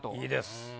いいです。